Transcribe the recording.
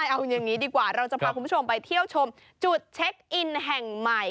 เอาอย่างนี้ดีกว่าเราจะพาคุณผู้ชมไปเที่ยวชมจุดเช็คอินแห่งใหม่